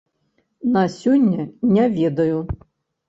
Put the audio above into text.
На сёння не ведаю.